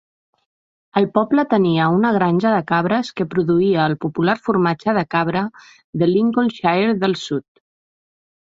El poble tenia una granja de cabres que produïa el popular formatge de cabra de Lincolnshire del sud.